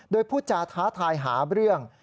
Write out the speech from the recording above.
โดยพูดจาท้าทายหาเรื่อง